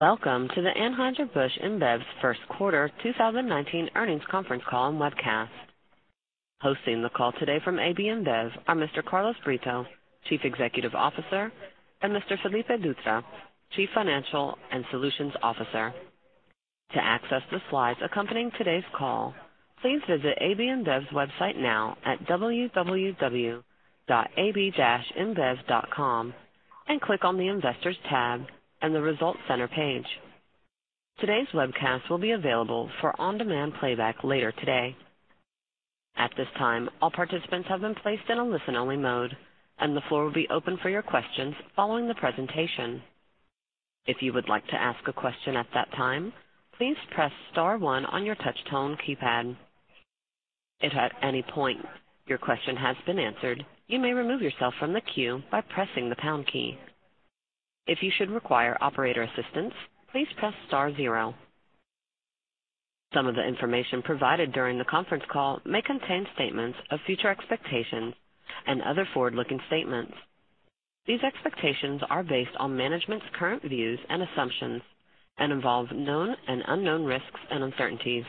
Welcome to the Anheuser-Busch InBev's first quarter 2019 earnings conference call and webcast. Hosting the call today from AB InBev are Mr. Carlos Brito, Chief Executive Officer, and Mr. Felipe Dutra, Chief Financial and Solutions Officer. To access the slides accompanying today's call, please visit AB InBev's website now at www.ab-inbev.com and click on the investors tab and the result center page. Today's webcast will be available for on-demand playback later today. At this time, all participants have been placed in a listen-only mode, and the floor will be open for your questions following the presentation. If you would like to ask a question at that time, please press star one on your touch-tone keypad. If at any point your question has been answered, you may remove yourself from the queue by pressing the pound key. If you should require operator assistance, please press star zero. Some of the information provided during the conference call may contain statements of future expectations and other forward-looking statements. These expectations are based on management's current views and assumptions and involve known and unknown risks and uncertainties.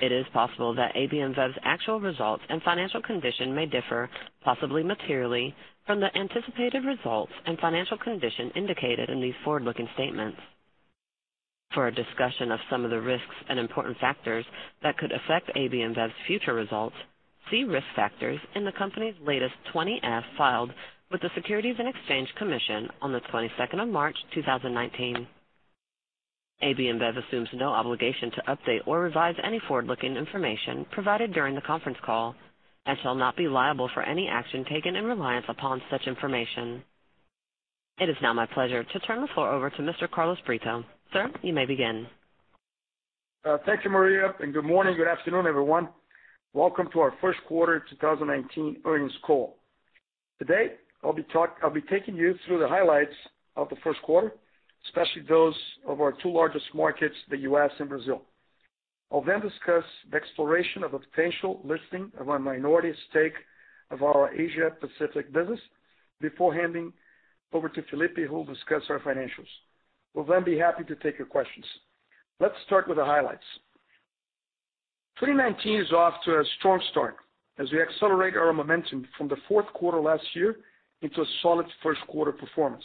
It is possible that AB InBev's actual results and financial condition may differ, possibly materially, from the anticipated results and financial condition indicated in these forward-looking statements. For a discussion of some of the risks and important factors that could affect AB InBev's future results, see risk factors in the company's latest 20-F filed with the Securities and Exchange Commission on the 22nd of March 2019. AB InBev assumes no obligation to update or revise any forward-looking information provided during the conference call and shall not be liable for any action taken in reliance upon such information. It is now my pleasure to turn the floor over to Mr. Carlos Brito. Sir, you may begin. Thank you, Maria, and good morning, good afternoon, everyone. Welcome to our first quarter 2019 earnings call. Today, I'll be taking you through the highlights of the first quarter, especially those of our two largest markets, the U.S. and Brazil. I'll then discuss the exploration of a potential listing of our minority stake of our Asia Pacific business before handing over to Felipe, who will discuss our financials. We'll then be happy to take your questions. Let's start with the highlights. 2019 is off to a strong start as we accelerate our momentum from the fourth quarter last year into a solid first-quarter performance.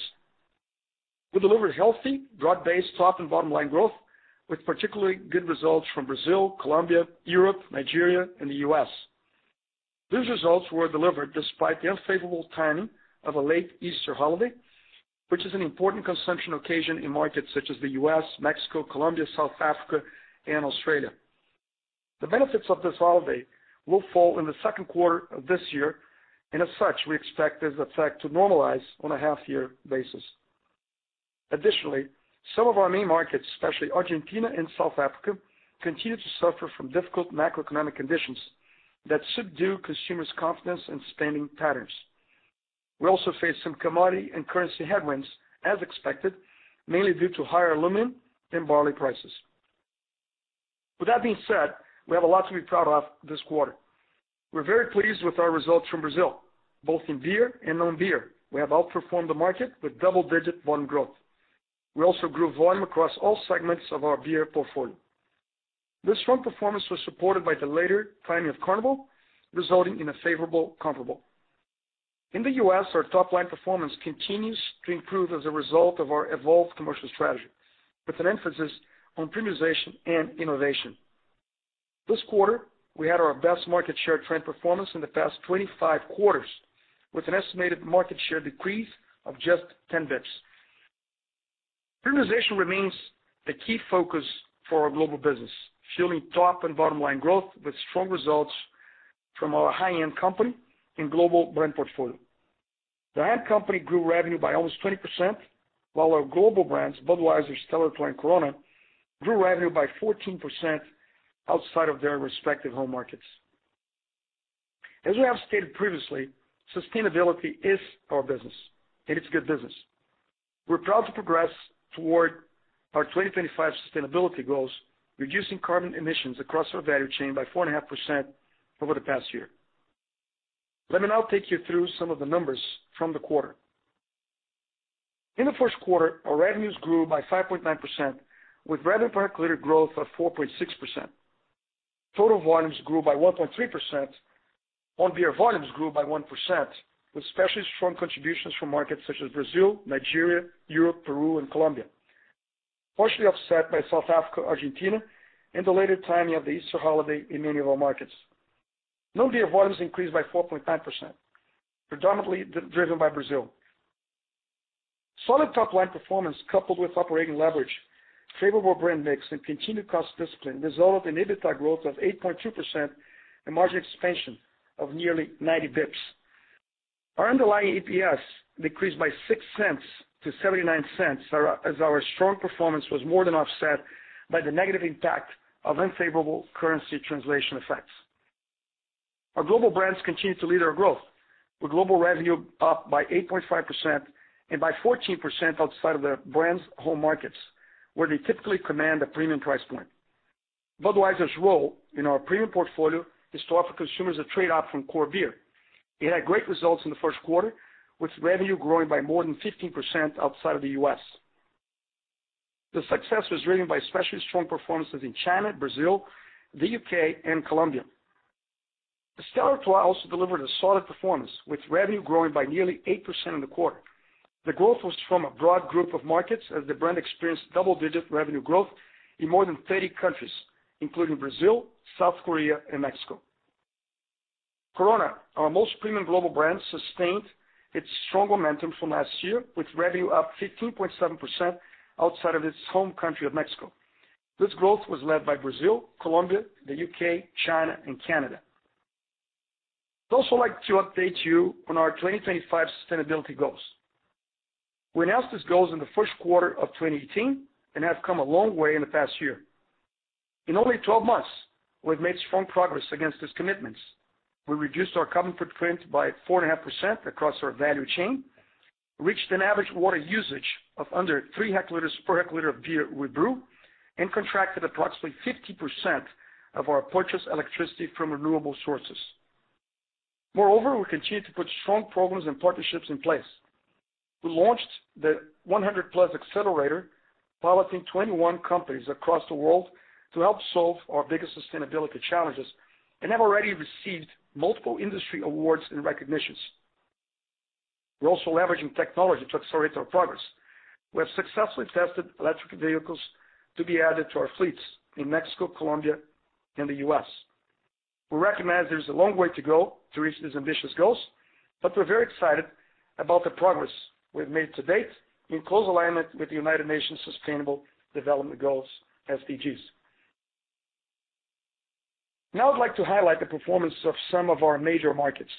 We delivered healthy, broad-based top and bottom-line growth, with particularly good results from Brazil, Colombia, Europe, Nigeria, and the U.S. These results were delivered despite the unfavorable timing of a late Easter holiday, which is an important consumption occasion in markets such as the U.S., Mexico, Colombia, South Africa, and Australia. The benefits of this holiday will fall in the second quarter of this year. As such, we expect this effect to normalize on a half-year basis. Additionally, some of our main markets, especially Argentina and South Africa, continue to suffer from difficult macroeconomic conditions that subdue consumers' confidence and spending patterns. We also face some commodity and currency headwinds as expected, mainly due to higher aluminum and barley prices. That being said, we have a lot to be proud of this quarter. We're very pleased with our results from Brazil, both in beer and non-beer. We have outperformed the market with double-digit volume growth. We also grew volume across all segments of our beer portfolio. This strong performance was supported by the later timing of Carnival, resulting in a favorable comparable. In the U.S., our top-line performance continues to improve as a result of our evolved commercial strategy, with an emphasis on premiumization and innovation. This quarter, we had our best market share trend performance in the past 25 quarters, with an estimated market share decrease of just 10 basis points. Premiumization remains the key focus for our global business, fueling top and bottom-line growth with strong results from our The High End and global brand portfolio. The High End grew revenue by almost 20%, while our global brands, Budweiser, Stella Artois, and Corona, grew revenue by 14% outside of their respective home markets. As we have stated previously, sustainability is our business, and it's good business. We're proud to progress toward our 2025 sustainability goals, reducing carbon emissions across our value chain by 4.5% over the past year. Let me now take you through some of the numbers from the quarter. In the first quarter, our revenues grew by 5.9% with revenue per hectoliter growth of 4.6%. Total volumes grew by 1.3%. On-beer volumes grew by 1%, with especially strong contributions from markets such as Brazil, Nigeria, Europe, Peru, and Colombia, partially offset by South Africa, Argentina, and the later timing of the Easter holiday in many of our markets. Non-beer volumes increased by 4.9%, predominantly driven by Brazil. Solid top-line performance, coupled with operating leverage, favorable brand mix, and continued cost discipline, resulted in EBITDA growth of 8.2% and margin expansion of nearly 90 basis points. Our underlying EPS decreased by $0.06 to $0.79 as our strong performance was more than offset by the negative impact of unfavorable currency translation effects. Our global brands continue to lead our growth, with global revenue up by 8.5% and by 14% outside of the brands' home markets, where they typically command a premium price point. Budweiser's role in our premium portfolio is to offer consumers a trade-off from core beer. It had great results in the first quarter, with revenue growing by more than 15% outside of the U.S. The success was driven by especially strong performances in China, Brazil, the U.K., and Colombia. Stella Artois also delivered a solid performance, with revenue growing by nearly 8% in the quarter. The growth was from a broad group of markets as the brand experienced double-digit revenue growth in more than 30 countries, including Brazil, South Korea, and Mexico. Corona, our most premium global brand, sustained its strong momentum from last year, with revenue up 15.7% outside of its home country of Mexico. This growth was led by Brazil, Colombia, the U.K., China, and Canada. I'd also like to update you on our 2025 sustainability goals. We announced these goals in the first quarter of 2018 and have come a long way in the past year. In only 12 months, we've made strong progress against these commitments. We reduced our carbon footprint by 4.5% across our value chain, reached an average water usage of under three hectoliters per hectoliter of beer we brew, and contracted approximately 50% of our purchased electricity from renewable sources. We continue to put strong programs and partnerships in place. We launched the 100+ Accelerator, piloting 21 companies across the world to help solve our biggest sustainability challenges, and have already received multiple industry awards and recognitions. We're also leveraging technology to accelerate our progress. We have successfully tested electric vehicles to be added to our fleets in Mexico, Colombia, and the U.S. We recognize there's a long way to go to reach these ambitious goals, but we're very excited about the progress we've made to date in close alignment with the United Nations Sustainable Development Goals, SDGs. I'd like to highlight the performance of some of our major markets.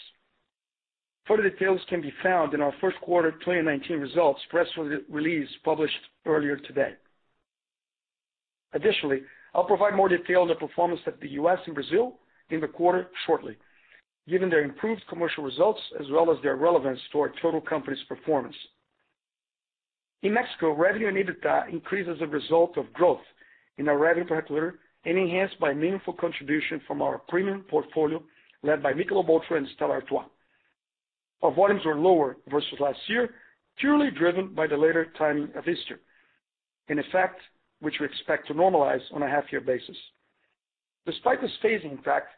Further details can be found in our first quarter 2019 results press release, published earlier today. Additionally, I'll provide more detail on the performance of the U.S. and Brazil in the quarter shortly, given their improved commercial results as well as their relevance to our total company's performance. In Mexico, revenue and EBITDA increased as a result of growth in our revenue per hectoliter and enhanced by meaningful contribution from our premium portfolio, led by Michelob ULTRA and Stella Artois. Our volumes were lower versus last year, purely driven by the later timing of Easter. This effect which we expect to normalize on a half-year basis. Despite this phasing effect,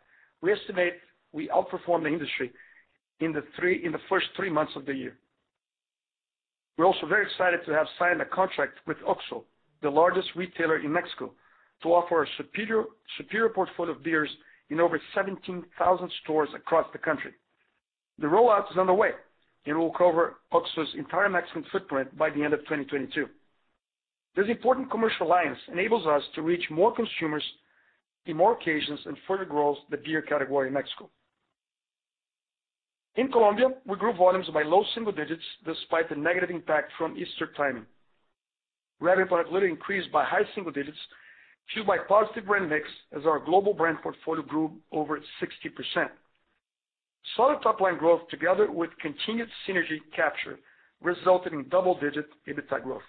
we estimate we outperformed the industry in the first three months of the year. We're also very excited to have signed a contract with OXXO, the largest retailer in Mexico, to offer a superior portfolio of beers in over 17,000 stores across the country. The rollout is underway, and will cover OXXO's entire Mexican footprint by the end of 2022. This important commercial alliance enables us to reach more consumers in more occasions and further grows the beer category in Mexico. In Colombia, we grew volumes by low single digits despite the negative impact from Easter timing. Revenue per hectoliter increased by high single digits, fueled by positive brand mix as our global brand portfolio grew over 60%. Solid top-line growth together with continued synergy capture resulted in double-digit EBITDA growth.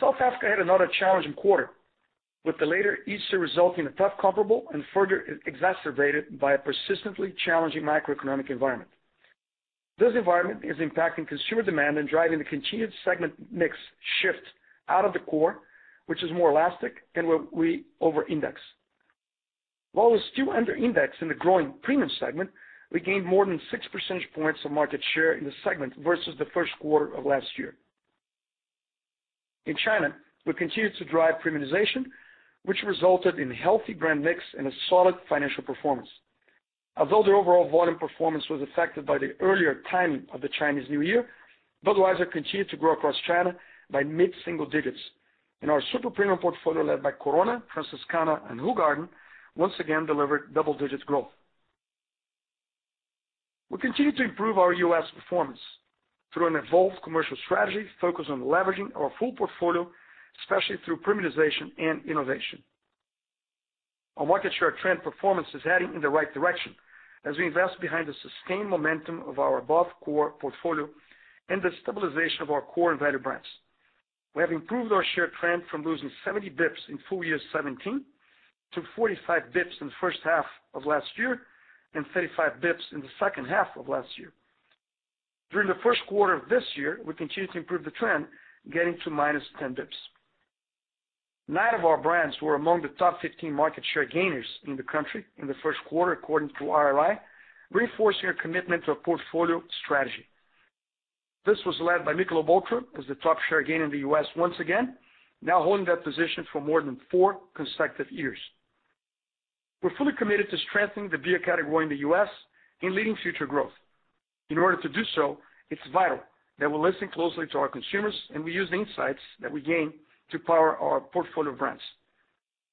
South Africa had another challenging quarter, with the later Easter resulting in a tough comparable and further exacerbated by a persistently challenging macroeconomic environment. This environment is impacting consumer demand and driving the continued segment mix shift out of the core, which is more elastic and where we over-index. While we still under-index in the growing premium segment, we gained more than six percentage points of market share in the segment versus the first quarter of last year. In China, we continued to drive premiumization, which resulted in healthy brand mix and a solid financial performance. Although the overall volume performance was affected by the earlier timing of the Chinese New Year, Budweiser continued to grow across China by mid-single digits. Our super premium portfolio, led by Corona, Franziskaner, and Hoegaarden, once again delivered double-digit growth. We continue to improve our U.S. performance through an evolved commercial strategy focused on leveraging our full portfolio, especially through premiumization and innovation. Our market share trend performance is heading in the right direction as we invest behind the sustained momentum of our above core portfolio and the stabilization of our core and value brands. We have improved our share trend from losing 70 basis points in full year 2017 to 45 basis points in the first half of last year and 35 basis points in the second half of last year. During the first quarter of this year, we continued to improve the trend, getting to minus 10 basis points. Nine of our brands were among the top 15 market share gainers in the country in the first quarter, according to IRI, reinforcing our commitment to a portfolio strategy. This was led by Michelob ULTRA as the top share gain in the U.S. once again, now holding that position for more than four consecutive years. In order to do so, it's vital that we listen closely to our consumers and we use the insights that we gain to power our portfolio of brands.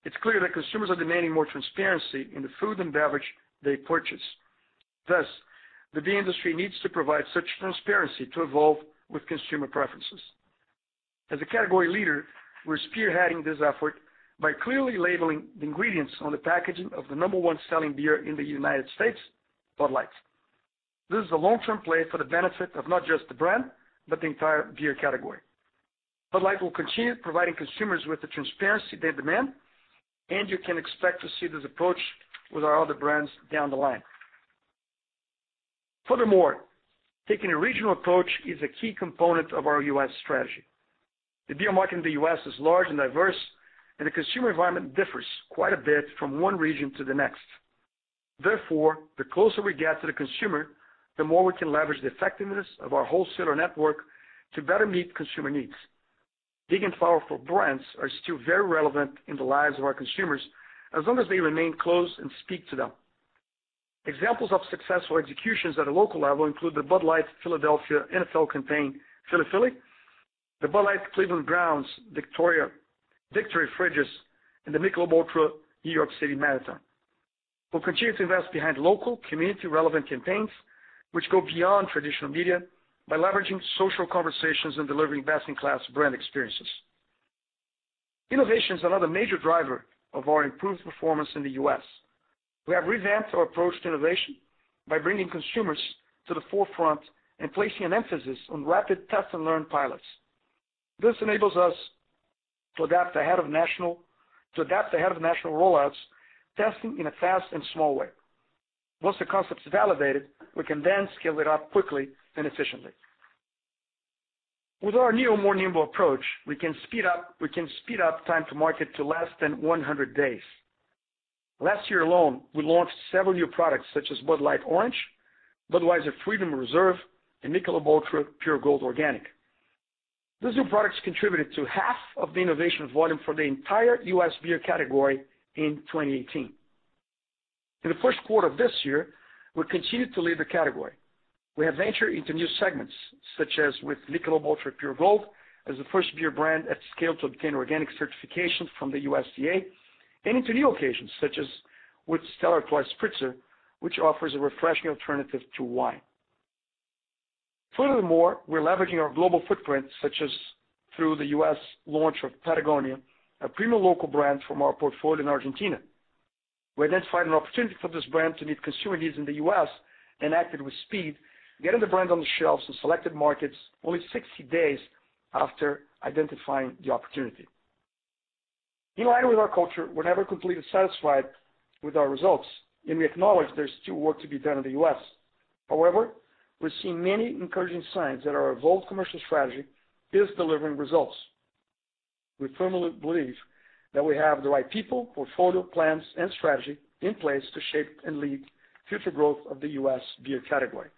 It's clear that consumers are demanding more transparency in the food and beverage they purchase. Thus, the beer industry needs to provide such transparency to evolve with consumer preferences. As a category leader, we're spearheading this effort by clearly labeling the ingredients on the packaging of the number 1 selling beer in the United States, Bud Light. This is a long-term play for the benefit of not just the brand, but the entire beer category. Bud Light will continue providing consumers with the transparency they demand, and you can expect to see this approach with our other brands down the line. Furthermore, taking a regional approach is a key component of our U.S. strategy. The beer market in the U.S. is large and diverse, and the consumer environment differs quite a bit from one region to the next. Therefore, the closer we get to the consumer, the more we can leverage the effectiveness of our wholesaler network to better meet consumer needs. Big and powerful brands are still very relevant in the lives of our consumers, as long as they remain close and speak to them. Examples of successful executions at a local level include the Bud Light Philadelphia NFL campaign, Philly Philly, the Bud Light Cleveland Browns Victory Fridges, and the Michelob ULTRA New York City Marathon. We'll continue to invest behind local community-relevant campaigns, which go beyond traditional media by leveraging social conversations and delivering best-in-class brand experiences. Innovation is another major driver of our improved performance in the U.S. We have revamped our approach to innovation by bringing consumers to the forefront and placing an emphasis on rapid test and learn pilots. This enables us to adapt ahead of national roll-outs, testing in a fast and small way. Once the concept is validated, we can then scale it up quickly and efficiently. With our new, more nimble approach, we can speed up time to market to less than 100 days. Last year alone, we launched several new products such as Bud Light Orange, Budweiser Freedom Reserve, and Michelob ULTRA Pure Gold Organic. These new products contributed to half of the innovation volume for the entire U.S. beer category in 2018. In the first quarter of this year, we continued to lead the category. We have ventured into new segments, such as with Michelob ULTRA Pure Gold, as the first beer brand at scale to obtain organic certification from the USDA, and into new occasions, such as with Stella Artois Spritzer, which offers a refreshing alternative to wine. Furthermore, we're leveraging our global footprint, such as through the U.S. launch of Patagonia, a premium local brand from our portfolio in Argentina. We identified an opportunity for this brand to meet consumer needs in the U.S. and acted with speed, getting the brand on the shelves in selected markets only 60 days after identifying the opportunity. In line with our culture, we're never completely satisfied with our results, and we acknowledge there's still work to be done in the U.S. However, we're seeing many encouraging signs that our evolved commercial strategy is delivering results. We firmly believe that we have the right people, portfolio, plans, and strategy in place to shape and lead future growth of the U.S. beer category.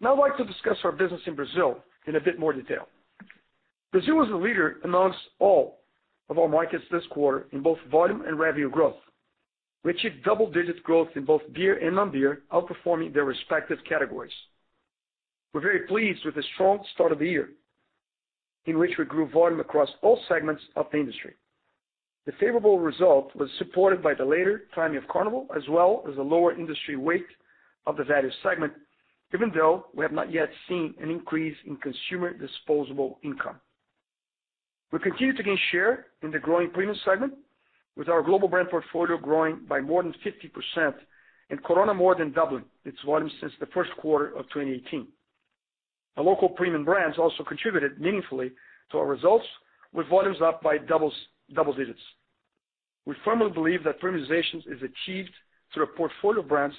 Now, I'd like to discuss our business in Brazil in a bit more detail. Brazil was a leader amongst all of our markets this quarter in both volume and revenue growth. We achieved double-digit growth in both beer and non-beer, outperforming their respective categories. We're very pleased with the strong start of the year in which we grew volume across all segments of the industry. The favorable result was supported by the later timing of Carnival, as well as the lower industry weight of the value segment, even though we have not yet seen an increase in consumer disposable income. We continue to gain share in the growing premium segment, with our global brand portfolio growing by more than 50% and Corona more than doubling its volume since the first quarter of 2018. Our local premium brands also contributed meaningfully to our results, with volumes up by double digits. We firmly believe that premiumization is achieved through a portfolio of brands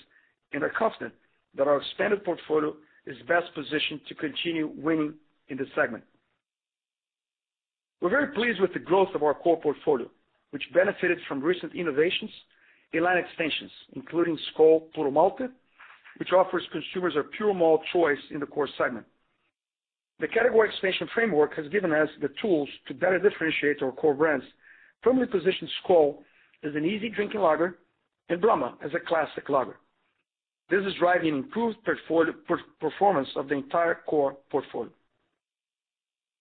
and are confident that our expanded portfolio is best positioned to continue winning in this segment. We're very pleased with the growth of our core portfolio, which benefited from recent innovations and line extensions, including Skol Puro Malte, which offers consumers a pure malt choice in the core segment. The category expansion framework has given us the tools to better differentiate our core brands, firmly position Skol as an easy-drinking lager, and Brahma as a classic lager. This is driving improved performance of the entire core portfolio.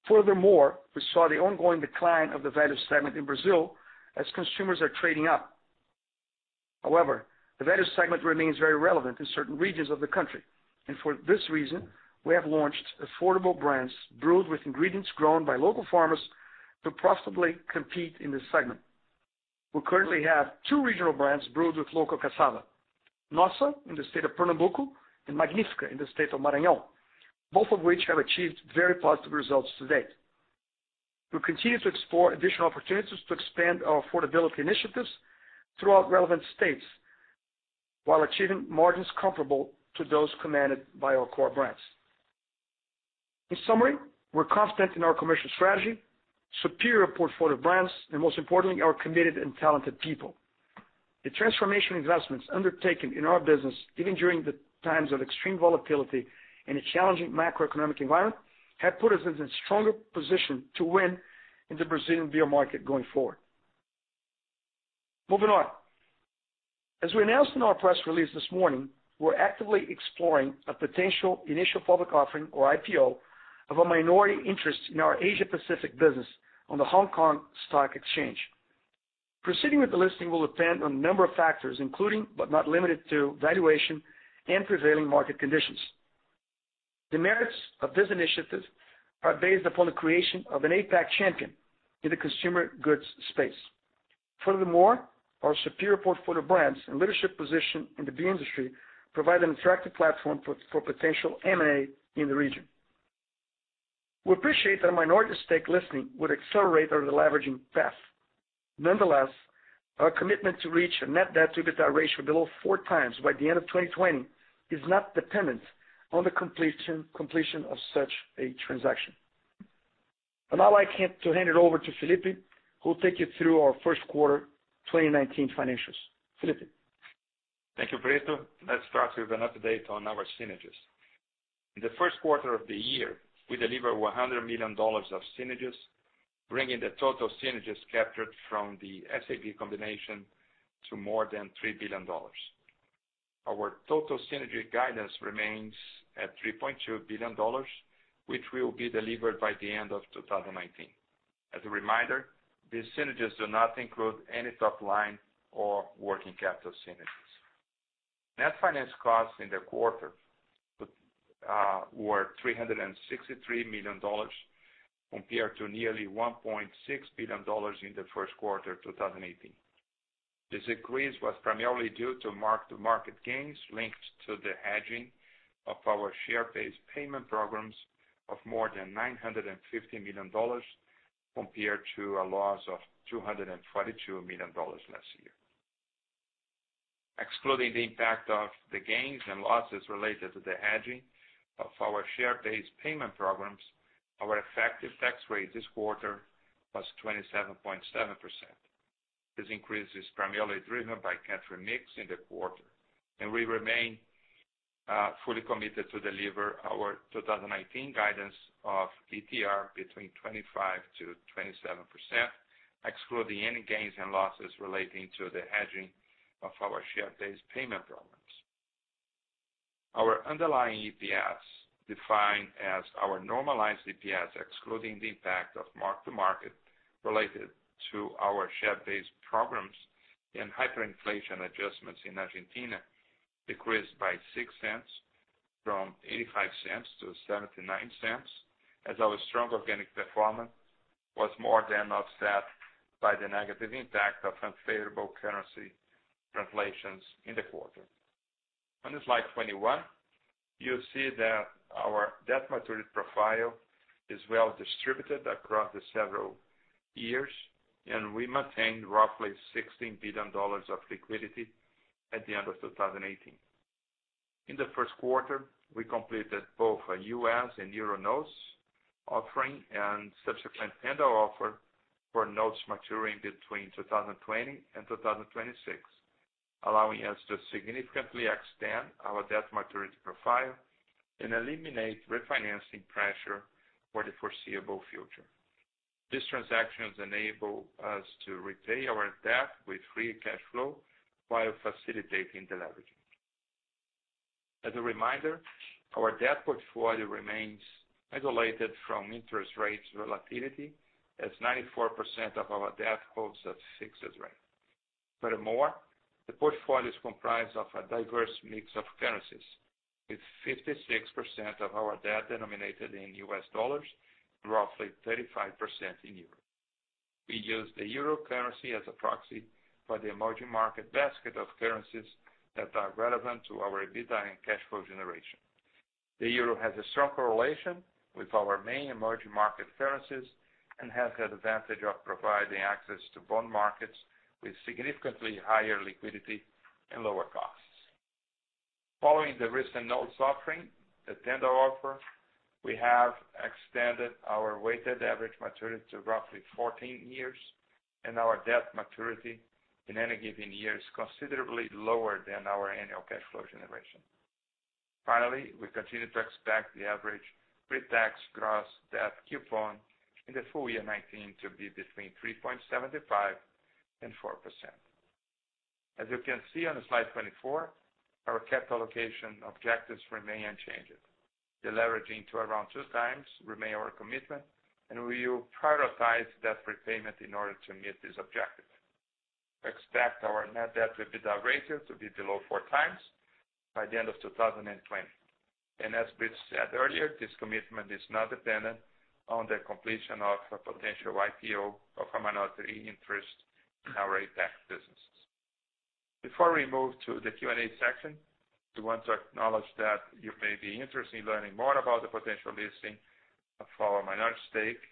Furthermore, we saw the ongoing decline of the value segment in Brazil as consumers are trading up. However, the value segment remains very relevant in certain regions of the country, and for this reason, we have launched affordable brands brewed with ingredients grown by local farmers to profitably compete in this segment. We currently have two regional brands brewed with local cassava, Nossa, in the state of Pernambuco, and Magnífica in the state of Maranhão, both of which have achieved very positive results to date. We will continue to explore additional opportunities to expand our affordability initiatives throughout relevant states while achieving margins comparable to those commanded by our core brands. In summary, we are confident in our commercial strategy, superior portfolio of brands, and most importantly, our committed and talented people. The transformation investments undertaken in our business, even during the times of extreme volatility and a challenging macroeconomic environment, have put us in a stronger position to win in the Brazilian beer market going forward. Moving on. As we announced in our press release this morning, we are actively exploring a potential initial public offering or IPO of a minority interest in our Asia-Pacific business on the Hong Kong Stock Exchange. Proceeding with the listing will depend on a number of factors, including, but not limited to, valuation and prevailing market conditions. The merits of this initiative are based upon the creation of an APAC champion in the consumer goods space. Furthermore, our superior portfolio of brands and leadership position in the beer industry provide an attractive platform for potential M&A in the region. We appreciate that a minority stake listing would accelerate our deleveraging path. Nonetheless, our commitment to reach a net debt-to-EBITDA ratio below four times by the end of 2020 is not dependent on the completion of such a transaction. I would now like to hand it over to Felipe, who will take you through our first quarter 2019 financials. Felipe? Thank you, Brito. Let us start with an update on our synergies. In the first quarter of the year, we delivered $100 million of synergies, bringing the total synergies captured from the SABMiller combination to more than $3 billion. Our total synergy guidance remains at $3.2 billion, which will be delivered by the end of 2019. As a reminder, these synergies do not include any top line or working capital synergies. Net finance costs in the quarter were $363 million compared to nearly $1.6 billion in the first quarter 2018. This increase was primarily due to mark-to-market gains linked to the hedging of our share-based payment programs of more than $950 million compared to a loss of $222 million last year. Excluding the impact of the gains and losses related to the hedging of our share-based payment programs, our effective tax rate this quarter was 27.7%. This increase is primarily driven by category mix in the quarter, and we remain fully committed to deliver our 2019 guidance of ETR between 25%-27%, excluding any gains and losses relating to the hedging of our share-based payment programs. Our underlying EPS, defined as our normalized EPS, excluding the impact of mark-to-market related to our share-based programs and hyperinflation adjustments in Argentina, decreased by six cents from $0.85 to $0.79, as our strong organic performance was more than offset by the negative impact of unfavorable currency translations in the quarter. On slide 21, you will see that our debt maturity profile is well distributed across several years, and we maintained roughly $16 billion of liquidity at the end of 2018. In the first quarter, we completed both a U.S. and EUR notes offering and subsequent tender offer for notes maturing between 2020 and 2026, allowing us to significantly extend our debt maturity profile and eliminate refinancing pressure for the foreseeable future. These transactions enable us to repay our debt with free cash flow while facilitating deleveraging. As a reminder, our debt portfolio remains insulated from interest rates volatility, as 94% of our debt holds a fixed rate. Furthermore, the portfolio is comprised of a diverse mix of currencies, with 56% of our debt denominated in U.S. dollars, roughly 35% in EUR. We use the EUR currency as a proxy for the emerging market basket of currencies that are relevant to our EBITDA and cash flow generation. The EUR has a strong correlation with our main emerging market currencies and has the advantage of providing access to bond markets with significantly higher liquidity and lower costs. Following the recent notes offering, the tender offer, we have extended our weighted average maturity to roughly 14 years, and our debt maturity in any given year is considerably lower than our annual cash flow generation. Finally, we continue to expect the average pre-tax gross debt coupon in the full year 2019 to be between 3.75% and 4%. As you can see on slide 24, our capital allocation objectives remain unchanged. Deleveraging to around two times remains our commitment, and we will prioritize debt repayment in order to meet this objective. We expect our net debt-to-EBITDA ratio to be below four times by the end of 2020. As Brito said earlier, this commitment is not dependent on the completion of a potential IPO of a minority interest in our APAC businesses. Before we move to the Q&A section, we want to acknowledge that you may be interested in learning more about the potential listing of our minority stake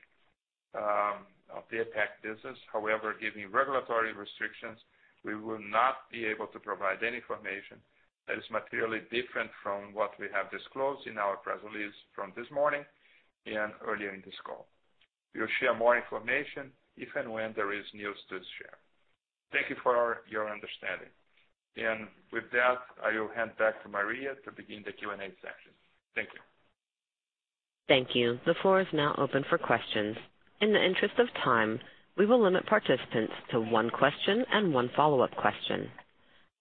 of the APAC business. However, given regulatory restrictions, we will not be able to provide any information that is materially different from what we have disclosed in our press release from this morning and earlier in this call. We'll share more information if and when there is news to share. Thank you for your understanding. With that, I will hand back to Maria to begin the Q&A section. Thank you. Thank you. The floor is now open for questions. In the interest of time, we will limit participants to one question and one follow-up question.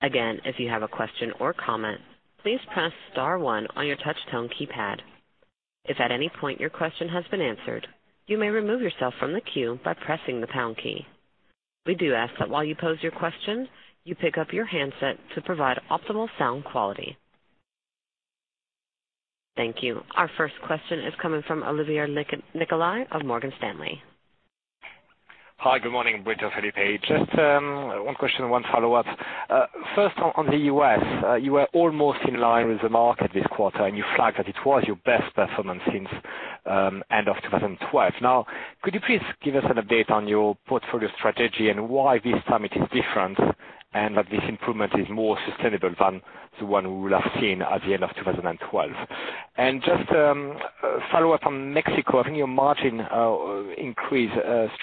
Again, if you have a question or comment, please press star one on your touch tone keypad. If at any point your question has been answered, you may remove yourself from the queue by pressing the pound key. We do ask that while you pose your question, you pick up your handset to provide optimal sound quality. Thank you. Our first question is coming from Olivier Nicolai of Morgan Stanley. Hi, good morning, Brito, Felipe. Just one question and one follow-up. First, on the U.S., you were almost in line with the market this quarter, and you flagged that it was your best performance since end of 2012. Could you please give us an update on your portfolio strategy and why this time it is different, and that this improvement is more sustainable than the one we will have seen at the end of 2012? Just follow-up on Mexico, I think your margin increased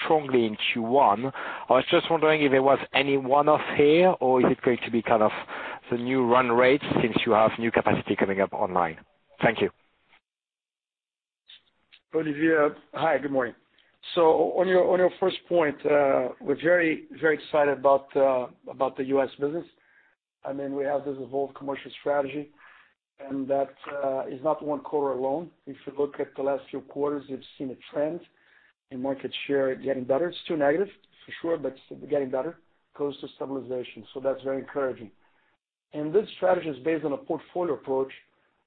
strongly in Q1. I was just wondering if there was any one-off here or is it going to be the new run rate since you have new capacity coming up online. Thank you. Olivier, hi, good morning. On your first point, we're very excited about the U.S. business. We have this evolved commercial strategy, that is not one quarter alone. If you look at the last few quarters, you've seen a trend in market share getting better. It's still negative, for sure, but it's getting better, close to stabilization. That's very encouraging. This strategy is based on a portfolio approach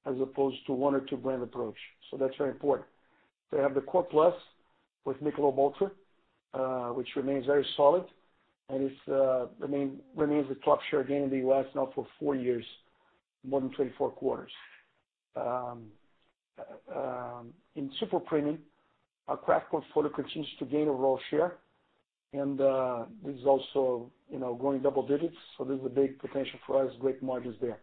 as opposed to one or two brand approach. That's very important. They have the core plus with Michelob ULTRA, which remains very solid and remains the top share gain in the U.S. now for four years, more than 24 quarters. In super premium, our craft portfolio continues to gain a raw share, this is also growing double digits, there's a big potential for us, great margins there.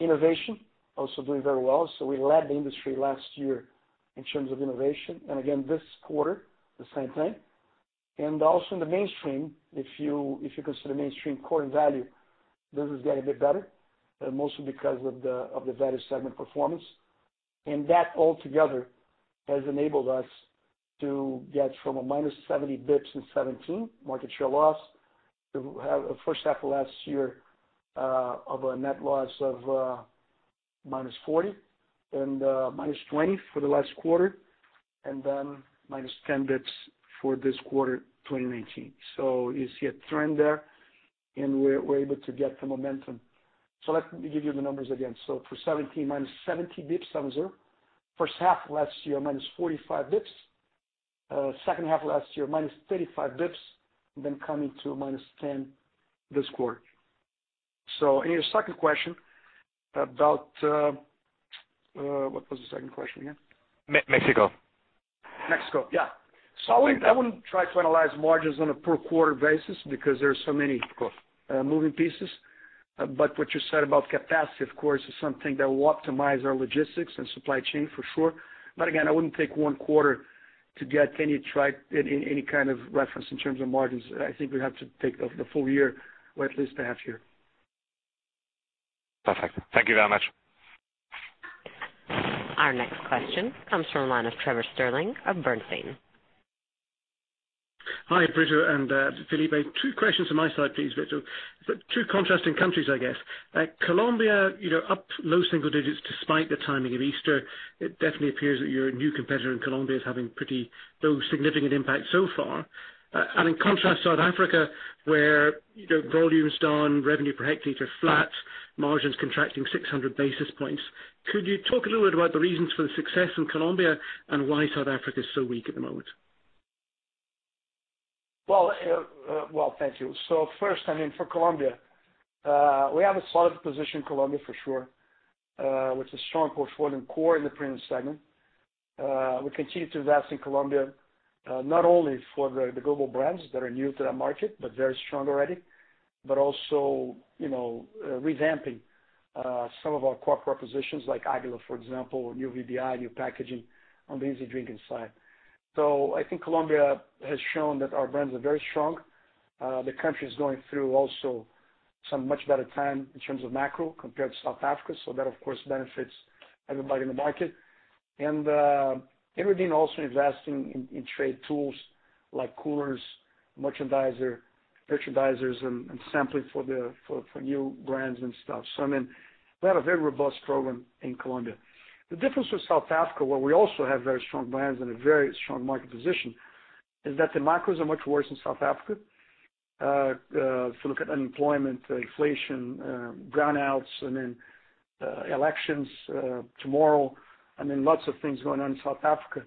Innovation, also doing very well. We led the industry last year in terms of innovation. Again, this quarter, the same thing. Also in the mainstream, if you consider mainstream core and value, business is getting a bit better, mostly because of the value segment performance. That all together has enabled us to get from a minus 70 bps in 2017 market share loss, to have a first half of last year of a net loss of minus 40, minus 20 for the last quarter, minus 10 bps for this quarter, 2019. You see a trend there, we're able to get the momentum. Let me give you the numbers again. For 2017, minus 70 bps, that was there. First half of last year, minus 45 bps. Second half of last year, minus 35 bps. Coming to minus 10 this quarter. In your second question, about What was the second question again? Mexico. Mexico. Yeah. Okay. I wouldn't try to analyze margins on a per quarter basis because there are so many- Of course. moving pieces. What you said about capacity, of course, is something that will optimize our logistics and supply chain for sure. Again, I wouldn't take one quarter to get any kind of reference in terms of margins. I think we'd have to take the full year or at least a half year. Perfect. Thank you very much. Our next question comes from the line of Trevor Stirling of Bernstein. Hi, Brito and Felipe. Two questions on my side, please, Brito. Two contrasting countries, I guess. Colombia, up low single digits despite the timing of Easter. It definitely appears that your new competitor in Colombia is having pretty low significant impact so far. In contrast, South Africa, where volumes down, revenue per hectare flat, margins contracting 600 basis points. Could you talk a little bit about the reasons for the success in Colombia and why South Africa is so weak at the moment? Well, thank you. First, for Colombia, we have a solid position in Colombia, for sure, with a strong portfolio in core in the premium segment. We continue to invest in Colombia, not only for the global brands that are new to that market, but very strong already. Also revamping some of our core propositions like Águila, for example, new VBI, new packaging on the easy drinking side. I think Colombia has shown that our brands are very strong. The country is going through also some much better time in terms of macro compared to South Africa, so that of course benefits everybody in the market. Everybody also investing in trade tools like coolers, merchandisers, and sampling for new brands and stuff. We have a very robust program in Colombia. The difference with South Africa, where we also have very strong brands and a very strong market position, is that the macros are much worse in South Africa. If you look at unemployment, inflation, brownouts, elections tomorrow, lots of things going on in South Africa.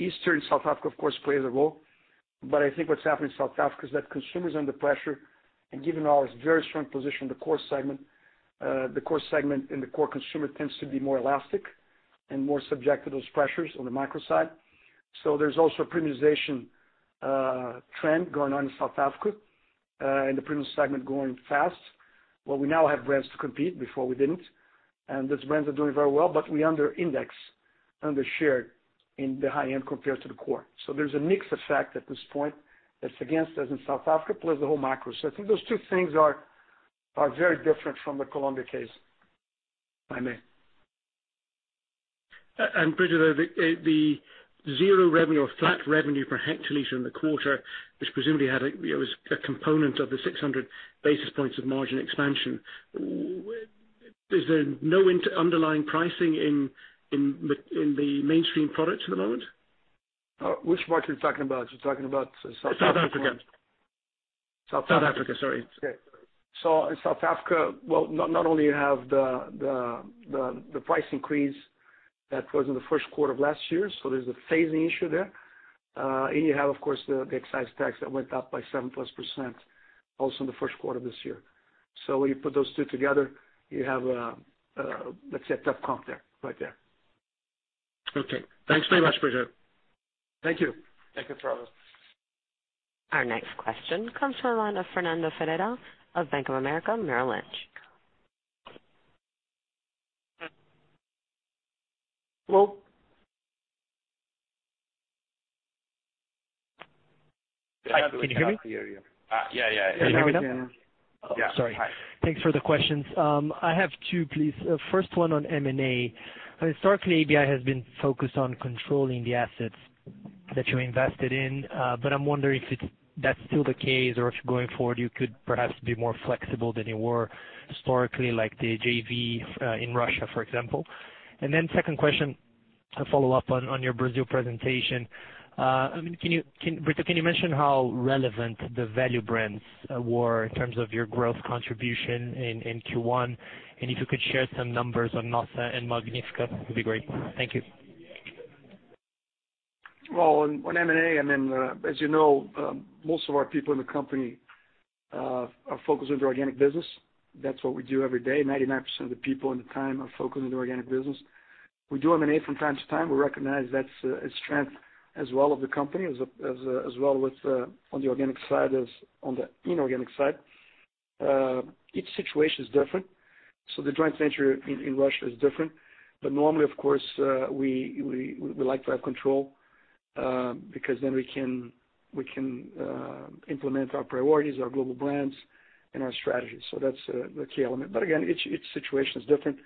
Easter in South Africa, of course, plays a role. I think what's happening in South Africa is that consumers are under pressure. Given our very strong position in the core segment, the core segment and the core consumer tends to be more elastic and more subject to those pressures on the macro side. There's also a premiumization trend going on in South Africa, in the premium segment growing fast, where we now have brands to compete, before we didn't. Those brands are doing very well, but we under-index, under-share in The High End compared to the core. There's a mix effect at this point that's against us in South Africa, plays the whole macro. I think those two things are very different from the Colombia case, if I may. Brito, the zero revenue or flat revenue per hectoliter in the quarter, which presumably was a component of the 600 basis points of margin expansion. Is there no underlying pricing in the mainstream products at the moment? Which market are you talking about? You're talking about South Africa? South Africa. South Africa. South Africa, sorry. Okay. In South Africa, well, not only you have the price increase that was in the first quarter of last year, there's a phasing issue there. You have, of course, the excise tax that went up by seven-plus% also in the first quarter of this year. When you put those two together, you have, let's say, a tough comp there, right there. Okay. Thanks very much, Brito. Thank you. Thank you, Trevor. Our next question comes from the line of Fernando Ferreira of Bank of America Merrill Lynch. Hello? Can you hear me? Yeah. Can you hear me now? Yeah. Hi. Sorry. Thanks for the questions. I have two, please. First one on M&A. Historically, ABI has been focused on controlling the assets that you invested in. I'm wondering if that's still the case or if going forward you could perhaps be more flexible than you were historically, like the JV in Russia, for example. Second question to follow up on your Brazil presentation. Brito, can you mention how relevant the value brands were in terms of your growth contribution in Q1? If you could share some numbers on Nossa and Magnífica, it'd be great. Thank you. On M&A, as you know, most of our people in the company are focused on the organic business. That's what we do every day. 99% of the people and the time are focused on the organic business. We do M&A from time to time. We recognize that's a strength as well of the company, as well with on the organic side as on the inorganic side. Each situation is different. The joint venture in Russia is different. Normally, of course, we like to have control, because then we can implement our priorities, our global brands and our strategies. That's the key element. Again, each situation is different.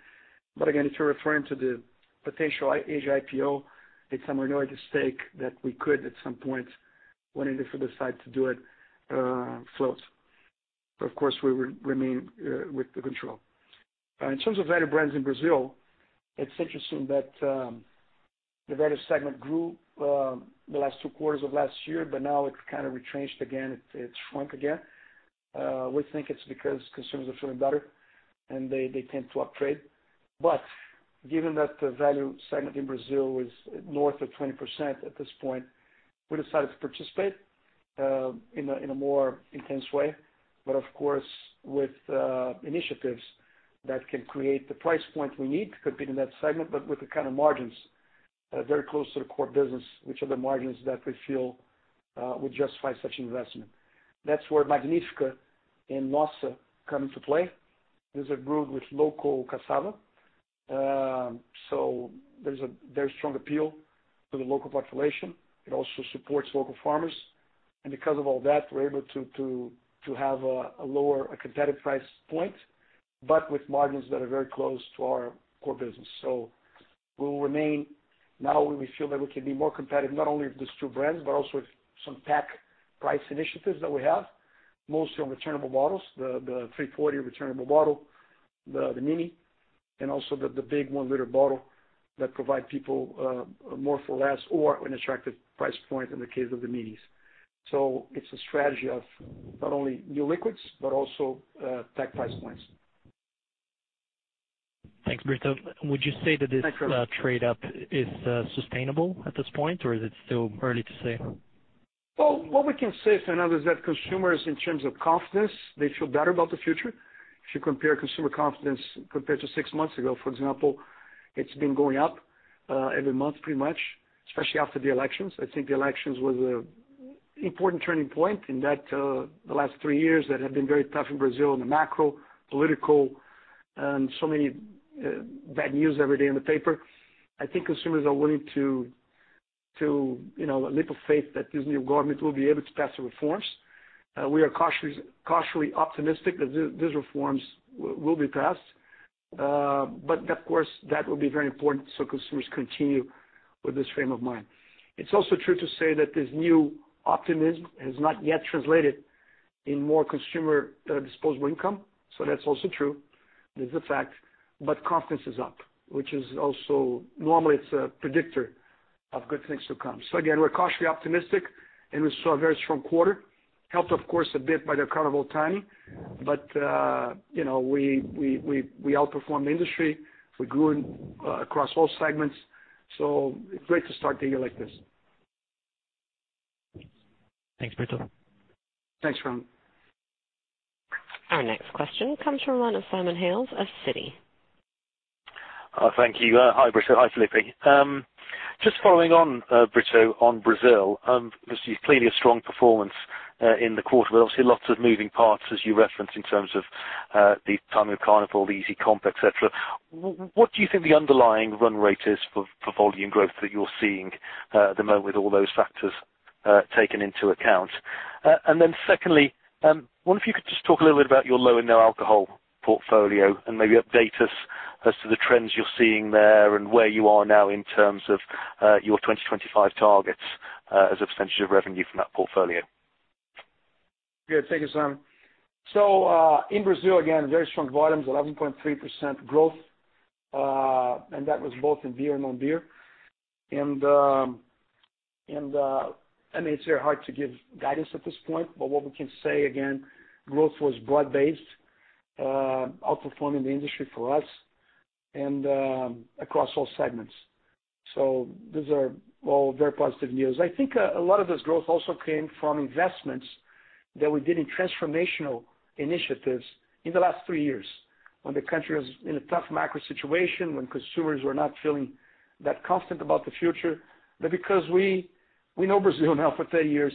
Again, if you're referring to the potential Asia IPO, it's somewhere north of stake that we could, at some point, when Anheuser decide to do it, float. Of course, we would remain with the control. In terms of value brands in Brazil, it's interesting that the value segment grew the last two quarters of last year, now it's kind of retrenched again. It shrunk again. We think it's because consumers are feeling better, and they tend to upgrade. Given that the value segment in Brazil is north of 20% at this point, we decided to participate in a more intense way. Of course, with initiatives that can create the price point we need to compete in that segment, with the kind of margins that are very close to the core business, which are the margins that we feel would justify such investment. That's where Magnífica and Nossa come into play. These are brewed with local cassava. There's a very strong appeal to the local population. It also supports local farmers. Because of all that, we're able to have a lower competitive price point, with margins that are very close to our core business. We'll remain. Now we feel that we can be more competitive, not only with these two brands, also with some pack price initiatives that we have, mostly on returnable bottles, the 340 returnable bottle, the mini, and also the big one-liter bottle that provide people more for less or an attractive price point in the case of the minis. It's a strategy of not only new liquids, also pack price points. Thanks, Brito. Would you say that this trade up is sustainable at this point, or is it still early to say? Well, what we can say, Fernando, is that consumers, in terms of confidence, they feel better about the future. If you compare consumer confidence compared to six months ago, for example, it's been going up every month pretty much, especially after the elections. I think the elections was an important turning point in that the last three years that have been very tough in Brazil in the macro, political, and so many bad news every day in the paper. I think consumers are willing a leap of faith that this new government will be able to pass the reforms. We are cautiously optimistic that these reforms will be passed. Of course, that will be very important so consumers continue with this frame of mind. It's also true to say that this new optimism has not yet translated in more consumer disposable income. That's also true. That's a fact. Confidence is up, which is also normally, it's a predictor of good things to come. Again, we're cautiously optimistic, and we saw a very strong quarter. Helped, of course, a bit by the Carnival timing. We outperformed the industry. We grew across all segments, great to start the year like this. Thanks, Brito. Thanks, Fernando. Our next question comes from the line of Simon Hales of Citi. Thank you. Hi, Brito. Hi, Felipe. Just following on, Brito, on Brazil, obviously clearly a strong performance in the quarter, but obviously lots of moving parts as you referenced in terms of the timing of Carnival, the easy comp, et cetera. What do you think the underlying run rate is for volume growth that you're seeing at the moment with all those factors taken into account? Secondly, wonder if you could just talk a little bit about your low and no alcohol portfolio and maybe update us as to the trends you're seeing there and where you are now in terms of your 2025 targets as a percentage of revenue from that portfolio? Good. Thank you, Simon. In Brazil, again, very strong volumes, 11.3% growth, and that was both in beer and non-beer. It's very hard to give guidance at this point, but what we can say again, growth was broad-based, outperforming the industry for us and across all segments. Those are all very positive news. I think a lot of this growth also came from investments that we did in transformational initiatives in the last three years when the country was in a tough macro situation, when consumers were not feeling that confident about the future. Because we know Brazil now for 30 years,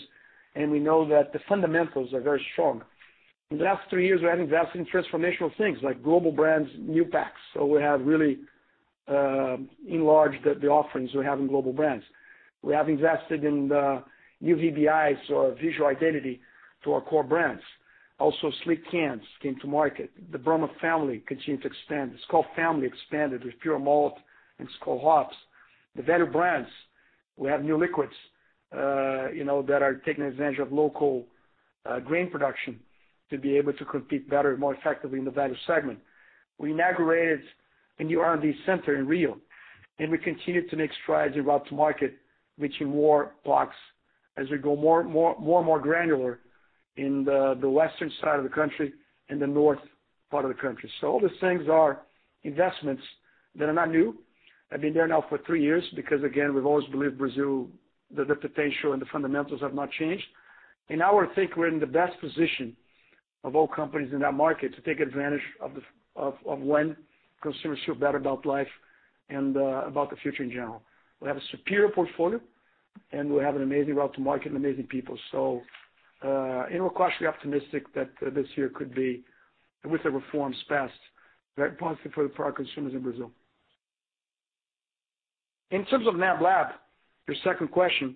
and we know that the fundamentals are very strong. In the last three years, we have invested in transformational things like global brands, new packs. We have really enlarged the offerings we have in global brands. We have invested in the new BVIs, so visual identity to our core brands. Also sleek cans came to market. The Brahma family continued to expand. The Skol family expanded with Pure Malt and Skol Hops. The value brands, we have new liquids that are taking advantage of local grain production to be able to compete better and more effectively in the value segment. We inaugurated a new R&D center in Rio, and we continue to make strides in route to market, reaching more blocks as we go more and more granular in the western side of the country and the north part of the country. All these things are investments that are not new. Have been there now for three years because, again, we've always believed Brazil, that the potential and the fundamentals have not changed. We think we're in the best position of all companies in that market to take advantage of when consumers feel better about life and about the future in general. We have a superior portfolio, and we have an amazing route to market and amazing people. We're cautiously optimistic that this year could be, with the reforms passed, very positive for our consumers in Brazil. In terms of NABLAB, your second question,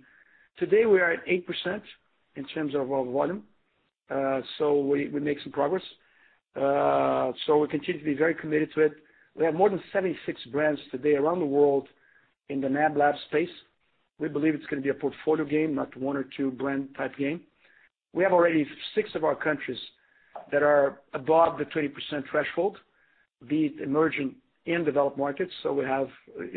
today we are at 8% in terms of our volume. We made some progress. We continue to be very committed to it. We have more than 76 brands today around the world in the NABLAB space. We believe it's going to be a portfolio game, not one or two brand type game. We have already six of our countries that are above the 20% threshold, be it emerging and developed markets. We have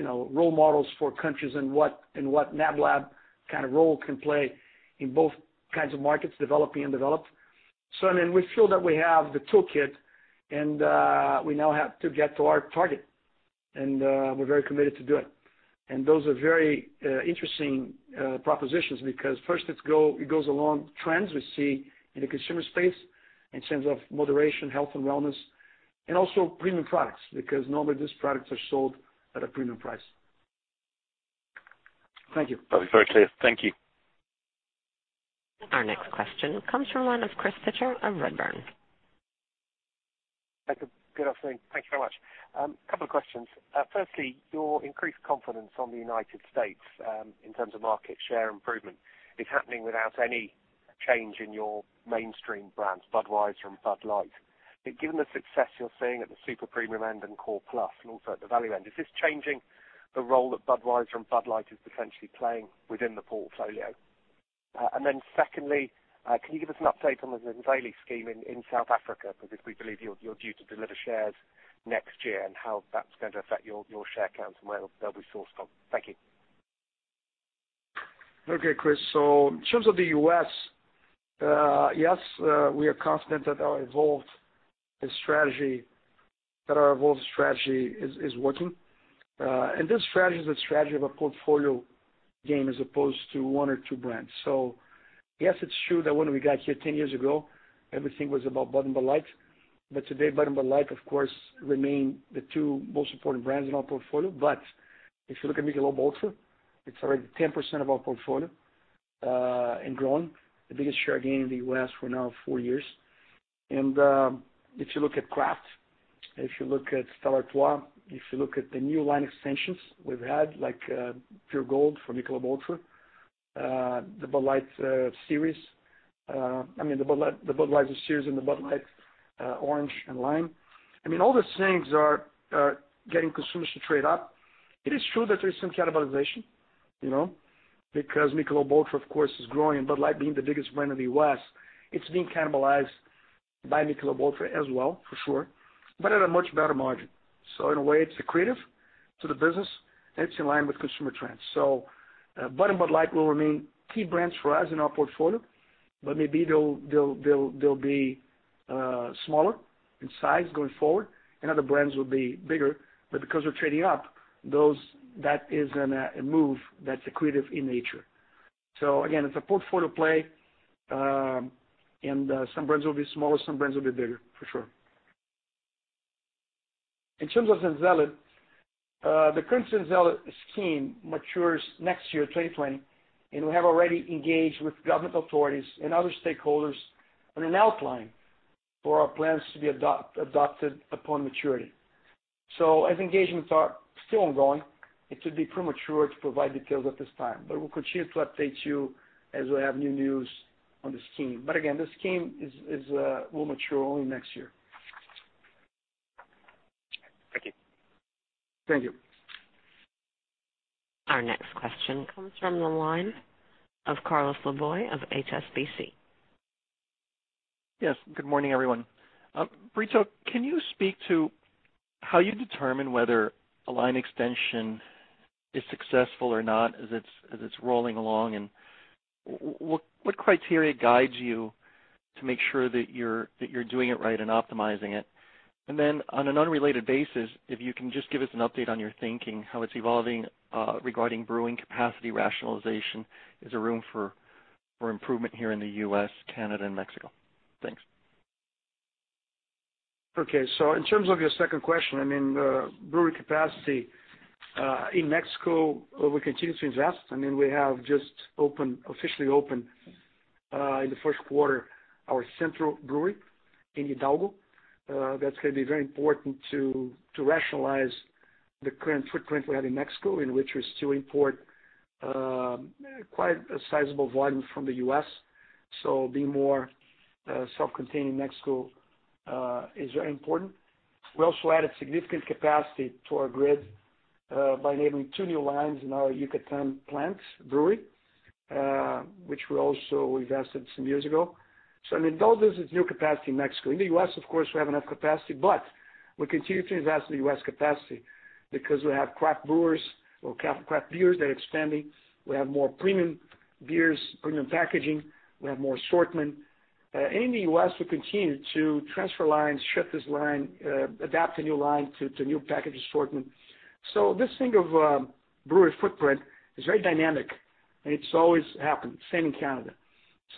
role models for countries and what NABLAB kind of role can play in both kinds of markets, developing and developed. I mean, we feel that we have the toolkit and we now have to get to our target, and we're very committed to doing it. Those are very interesting propositions because first it goes along trends we see in the consumer space in terms of moderation, health, and wellness, and also premium products, because normally these products are sold at a premium price. Thank you. That was very clear. Thank you. Our next question comes from one of Chris Pitcher of Redburn. Thank you. Good afternoon. Thank you very much. Couple of questions. Firstly, your increased confidence on the United States in terms of market share improvement is happening without any change in your mainstream brands, Budweiser and Bud Light. Given the success you're seeing at the super premium end and core plus, and also at the value end, is this changing the role that Budweiser and Bud Light is potentially playing within the portfolio? Secondly, can you give us an update on the Zenzele scheme in South Africa? Because we believe you're due to deliver shares next year, and how that's going to affect your share count and where they'll be sourced from. Thank you. Okay, Chris. In terms of the U.S., yes, we are confident that our evolved strategy is working. This strategy is a strategy of a portfolio gain as opposed to one or two brands. Yes, it's true that when we got here 10 years ago, everything was about Bud and Bud Light. Today, Bud and Bud Light, of course, remain the two most important brands in our portfolio. If you look at Michelob ULTRA, it's already 10% of our portfolio, and growing. The biggest share gain in the U.S. for now four years. If you look at craft, if you look at Stella Artois, if you look at the new line extensions we've had, like Pure Gold from Michelob ULTRA, the Bud Light series, I mean, the Budweiser series and the Bud Light Orange and Lime. I mean, all these things are getting consumers to trade up. It is true that there is some cannibalization, because Michelob ULTRA, of course, is growing. Bud Light being the biggest brand in the U.S., it's being cannibalized by Michelob ULTRA as well for sure, but at a much better margin. In a way, it's accretive to the business, and it's in line with consumer trends. Bud and Bud Light will remain key brands for us in our portfolio, but maybe they'll be smaller in size going forward and other brands will be bigger. Because we're trading up, that is a move that's accretive in nature. Again, it's a portfolio play, and some brands will be smaller, some brands will be bigger for sure. In terms of Zenzele, the current Zenzele scheme matures next year, 2020, we have already engaged with government authorities and other stakeholders on an outline for our plans to be adopted upon maturity. As engagements are still ongoing, it would be premature to provide details at this time. We'll continue to update you as we have new news on the scheme. Again, the scheme will mature only next year. Thank you. Our next question comes from the line of Carlos Laboy of HSBC. Yes. Good morning, everyone. Brito, can you speak to how you determine whether a line extension is successful or not as it's rolling along, and what criteria guides you to make sure that you're doing it right and optimizing it? On an unrelated basis, if you can just give us an update on your thinking, how it's evolving regarding brewing capacity rationalization. Is there room for improvement here in the U.S., Canada, and Mexico? Thanks. Okay. In terms of your second question, brewery capacity in Mexico, we continue to invest. We have just officially opened in the first quarter our central brewery in Hidalgo. That's going to be very important to rationalize the current footprint we have in Mexico, in which we still import quite a sizable volume from the U.S. Being more self-contained in Mexico is very important. We also added significant capacity to our grid by enabling two new lines in our Yucatan plant brewery, which we also invested some years ago. Those are new capacity in Mexico. In the U.S., of course, we have enough capacity, but we continue to invest in U.S. capacity because we have craft brewers or craft beers that are expanding. We have more premium beers, premium packaging. We have more assortment. In the U.S., we continue to transfer lines, shift this line, adapt a new line to new package assortment. This thing of brewery footprint is very dynamic, and it's always happened. Same in Canada.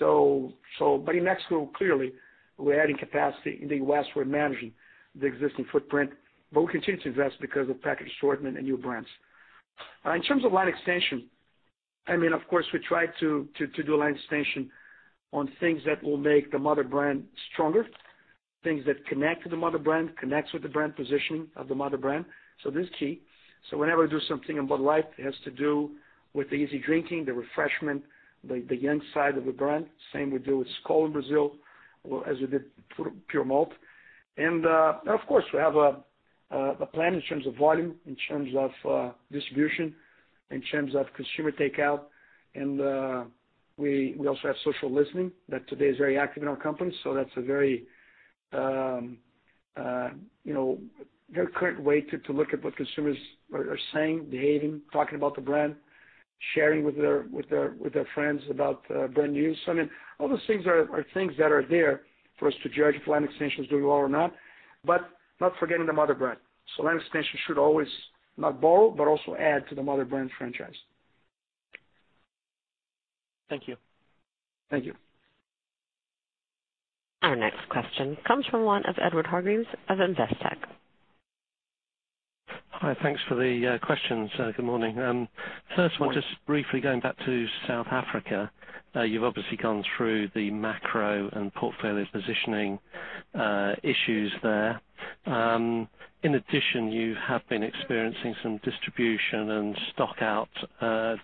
In Mexico, clearly, we're adding capacity. In the U.S., we're managing the existing footprint, but we continue to invest because of package assortment and new brands. In terms of line extension, of course, we try to do a line extension on things that will make the mother brand stronger, things that connect to the mother brand, connects with the brand positioning of the mother brand. This is key. Whenever we do something in Bud Light, it has to do with the easy drinking, the refreshment, the young side of the brand. Same we do with Skol in Brazil, as we did Pure Malt. Of course, we have a plan in terms of volume, in terms of distribution, in terms of consumer takeout. We also have social listening that today is very active in our company. That's a very current way to look at what consumers are saying, behaving, talking about the brand, sharing with their friends about brand new. All those things are things that are there for us to judge if a line extension is doing well or not, but not forgetting the mother brand. Line extension should always not borrow, but also add to the mother brand franchise. Thank you. Thank you. Our next question comes from the line of Eddy Hargreaves of Investec. Hi. Thanks for the questions. Good morning. Good morning. First one, just briefly going back to South Africa. You've obviously gone through the macro and portfolio positioning issues there. In addition, you have been experiencing some distribution and stock-out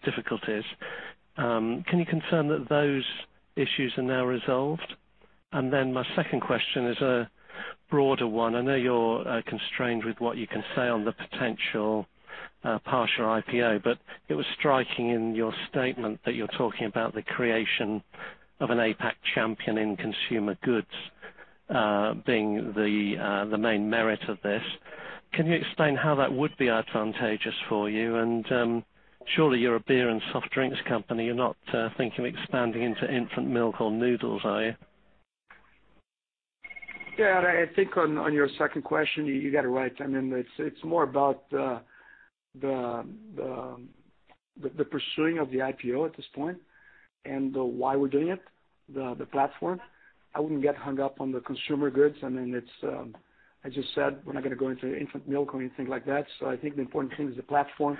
difficulties. Can you confirm that those issues are now resolved? Then my second question is a broader one. I know you're constrained with what you can say on the potential partial IPO, but it was striking in your statement that you're talking about the creation of an APAC champion in consumer goods being the main merit of this. Can you explain how that would be advantageous for you? Surely you're a beer and soft drinks company. You're not thinking of expanding into infant milk or noodles, are you? I think on your second question, you got it right. It's more about the pursuing of the IPO at this point and why we're doing it, the platform. I wouldn't get hung up on the consumer goods. As I just said, we're not going to go into infant milk or anything like that. I think the important thing is the platform.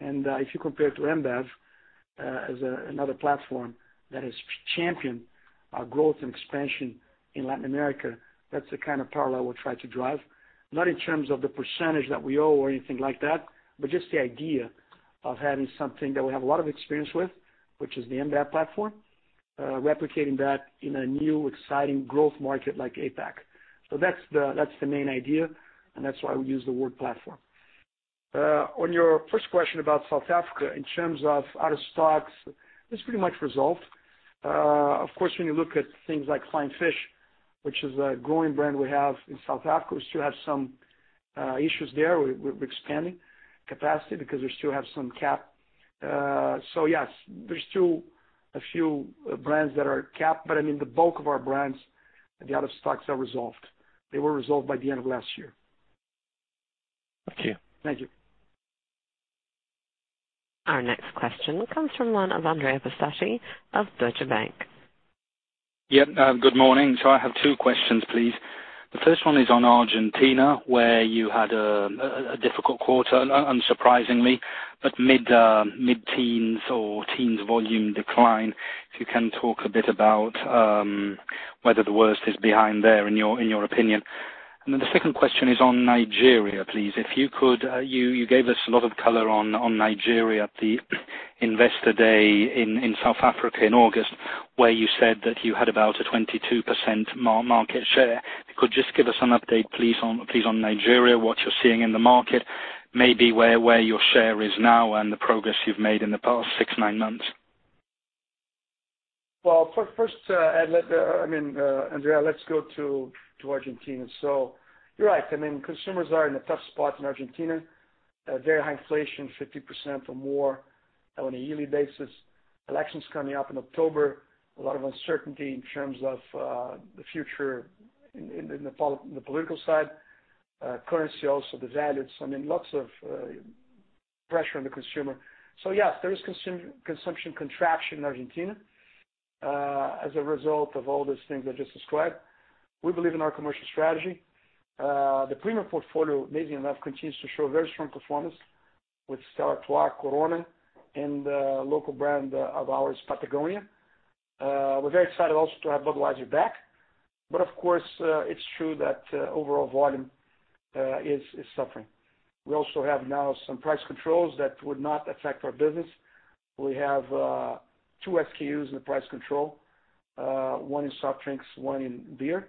If you compare it to InBev as another platform that has championed our growth and expansion in Latin America, that's the kind of parallel we try to drive. Not in terms of the percentage that we owe or anything like that, but just the idea of having something that we have a lot of experience with, which is the InBev platform, replicating that in a new exciting growth market like APAC. That's the main idea, and that's why we use the word platform. On your first question about South Africa, in terms of out of stocks, it's pretty much resolved. Of course, when you look at things like Flying Fish, which is a growing brand we have in South Africa, we still have some issues there. We're expanding capacity because we still have some cap. Yes, there's still a few brands that are capped, but the bulk of our brands, the out of stocks are resolved. They were resolved by the end of last year. Thank you. Thank you. Our next question comes from the line of Andrea Pistacchi of Deutsche Bank. Good morning. I have two questions, please. The first one is on Argentina, where you had a difficult quarter, unsurprisingly, but mid-teens or teens volume decline. If you can talk a bit about whether the worst is behind there in your opinion. The second question is on Nigeria, please. You gave us a lot of color on Nigeria Investor Day in South Africa in August, where you said that you had about a 22% market share. Could you just give us an update, please, on Nigeria, what you are seeing in the market, maybe where your share is now and the progress you have made in the past six, nine months? First, Andrea, let's go to Argentina. You are right. Consumers are in a tough spot in Argentina. Very high inflation, 50% or more on a yearly basis. Elections coming up in October. A lot of uncertainty in terms of the future in the political side. Currency also devalued, lots of pressure on the consumer. Yes, there is consumption contraction in Argentina, as a result of all those things I just described. We believe in our commercial strategy. The premium portfolio, amazingly enough, continues to show very strong performance with Stella Artois, Corona, and a local brand of ours, Patagonia. We're very excited also to have Budweiser back. Of course, it's true that overall volume is suffering. We also have now some price controls that would not affect our business. We have two SKUs in the price control, one in soft drinks, one in beer.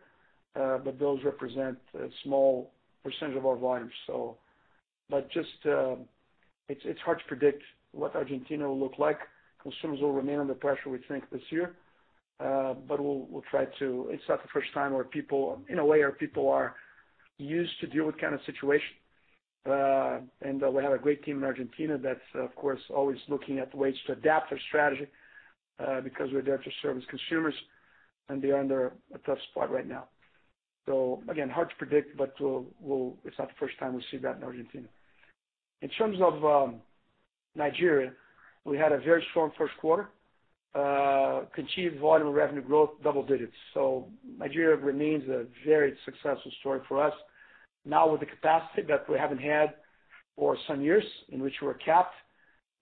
Those represent a small percentage of our volume. It's hard to predict what Argentina will look like. Consumers will remain under pressure, we think, this year. It's not the first time In a way, our people are used to deal with kind of situation. And we have a great team in Argentina that's, of course, always looking at ways to adapt their strategy, because we're there to service consumers, and they are under a tough spot right now. Again, hard to predict, but it's not the first time we've seen that in Argentina. In terms of Nigeria, we had a very strong first quarter. Achieved volume revenue growth double digits. Nigeria remains a very successful story for us. Now with the capacity that we haven't had for some years, in which we were capped,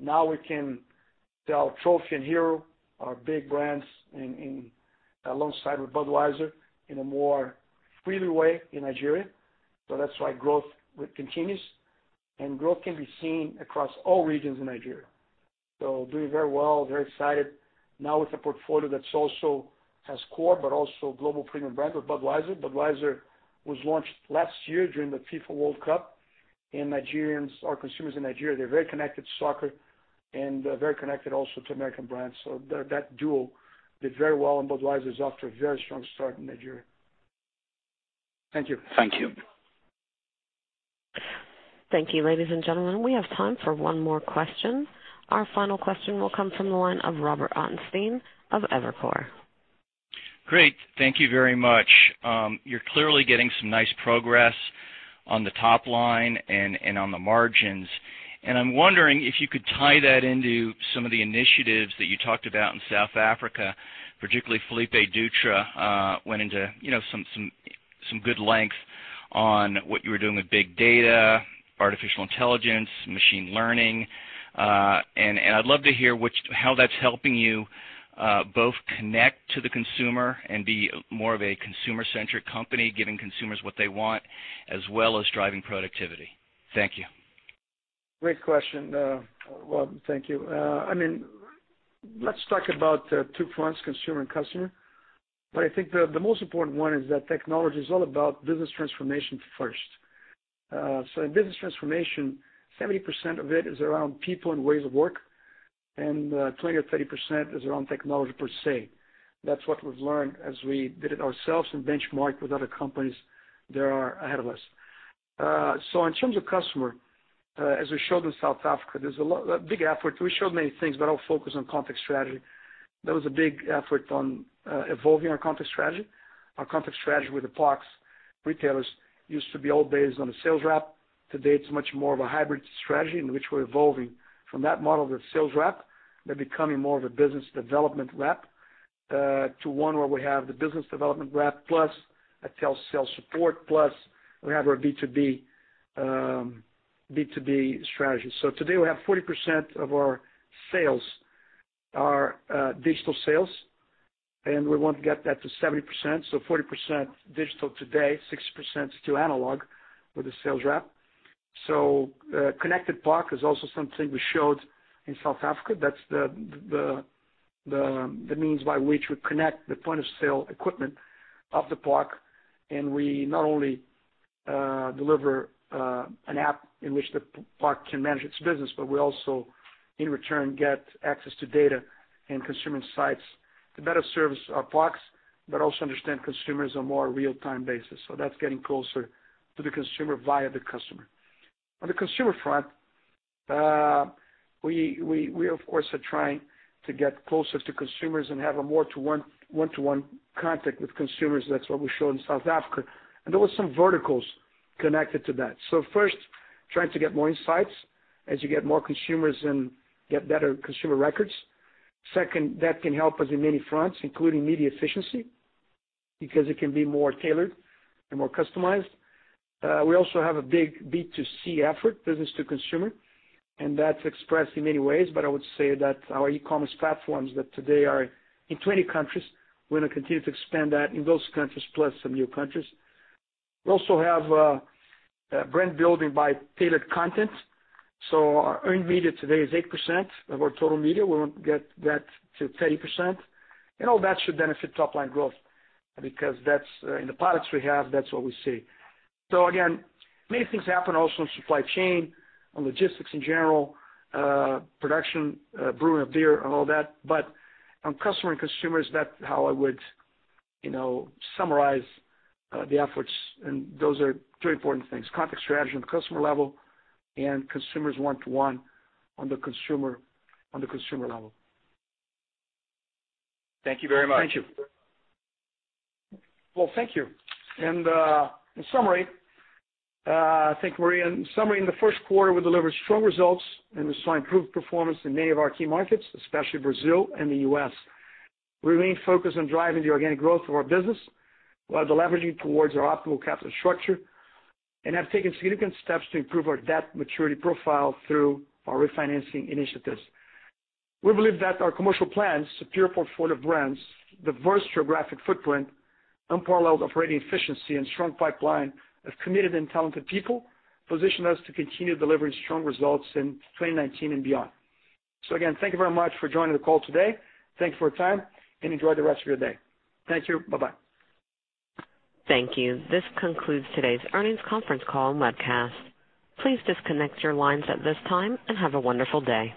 now we can sell Trophy and Hero, our big brands, alongside with Budweiser in a more freely way in Nigeria. That's why growth continues, and growth can be seen across all regions in Nigeria. Doing very well, very excited now with a portfolio that also has core, but also global premium brand with Budweiser. Budweiser was launched last year during the FIFA World Cup, and Nigerians, our consumers in Nigeria, they're very connected to soccer and very connected also to American brands. That duo did very well, and Budweiser is off to a very strong start in Nigeria. Thank you. Thank you. Thank you, ladies and gentlemen. We have time for one more question. Our final question will come from the line of Robert Ottenstein of Evercore. Great. Thank you very much. You're clearly getting some nice progress on the top line and on the margins. I'm wondering if you could tie that into some of the initiatives that you talked about in South Africa. Particularly Felipe Dutra went into some good length on what you were doing with big data, artificial intelligence, machine learning. I'd love to hear how that's helping you both connect to the consumer and be more of a consumer-centric company, giving consumers what they want, as well as driving productivity. Thank you. Great question, Rob. Thank you. Let's talk about two points, consumer and customer. I think the most important one is that technology is all about business transformation first. In business transformation, 70% of it is around people and ways of work, and 20% or 30% is around technology, per se. That's what we've learned as we did it ourselves and benchmarked with other companies that are ahead of us. In terms of customer, as we showed in South Africa, there's a big effort. We showed many things, but I'll focus on contact strategy. There was a big effort on evolving our contact strategy. Our contact strategy with the partners, retailers used to be all based on a sales rep. Today, it's much more of a hybrid strategy in which we're evolving from that model of a sales rep. They're becoming more of a business development rep, to one where we have the business development rep plus a telesales support plus we have our B2B strategy. Today, we have 40% of our sales are digital sales, and we want to get that to 70%. 40% digital today, 60% is still analog with a sales rep. Connected park is also something we showed in South Africa. That's the means by which we connect the point-of-sale equipment of the park, and we not only deliver an app in which the park can manage its business, but we also, in return, get access to data and consumer insights to better service our parks, but also understand consumers on a more real-time basis. That's getting closer to the consumer via the customer. On the consumer front, we of course, are trying to get closer to consumers and have a more one-to-one contact with consumers. That's what we show in South Africa. There were some verticals connected to that. First, trying to get more insights as you get more consumers and get better consumer records. Second, that can help us in many fronts, including media efficiency, because it can be more tailored and more customized. We also have a big B2C effort, business to consumer, and that's expressed in many ways, but I would say that our e-commerce platforms that today are in 20 countries, we're going to continue to expand that in those countries plus some new countries. We also have brand building by tailored content. Our earned media today is 8% of our total media. We want to get that to 30%. All that should benefit top-line growth because that's in the products we have, that's what we see. Again, many things happen also in supply chain, on logistics in general, production, brewing of beer and all that. On customer and consumers, that's how I would summarize the efforts, and those are three important things, contact strategy on the customer level and consumers one-to-one on the consumer level. Thank you very much. Thank you. Well, thank you. In the first quarter, we delivered strong results and we saw improved performance in many of our key markets, especially Brazil and the U.S. We remain focused on driving the organic growth of our business while deleveraging towards our optimal capital structure and have taken significant steps to improve our debt maturity profile through our refinancing initiatives. We believe that our commercial plans, superior portfolio of brands, diverse geographic footprint, unparalleled operating efficiency, and strong pipeline of committed and talented people position us to continue delivering strong results in 2019 and beyond. Again, thank you very much for joining the call today. Thank you for your time, and enjoy the rest of your day. Thank you. Bye-bye. Thank you. This concludes today's earnings conference call and webcast. Please disconnect your lines at this time and have a wonderful day.